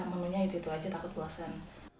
makanan itu aja takut puasan